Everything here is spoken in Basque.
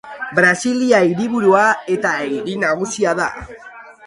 Brasilia hiriburua eta hiri nagusia da.